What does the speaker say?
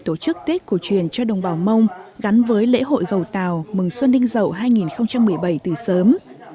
tổ chức tết cổ truyền cho đồng bào mông gắn với lễ hội gầu tàu mừng xuân đinh dậu hai nghìn một mươi bảy từ sớm